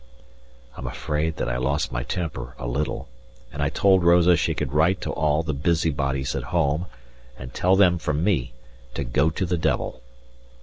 I'm afraid that I lost my temper a little, and I told Rosa she could write to all the busybodies at home and tell them from me to go to the devil.